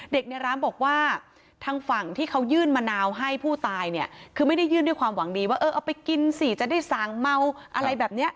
ในร้านบอกว่าทางฝั่งที่เขายื่นมะนาวให้ผู้ตายเนี่ยคือไม่ได้ยื่นด้วยความหวังดีว่าเออเอาไปกินสิจะได้สั่งเมาอะไรแบบเนี้ย